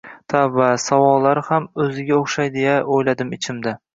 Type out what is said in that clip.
“Tavba, savollari ham o’ziga o’xshaydi-ya” — o’yladim ichimda.